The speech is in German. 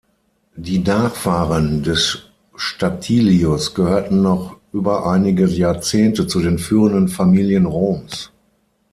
Die Nachfahren des Statilius gehörten noch über einige Jahrzehnte zu den führenden Familien Roms.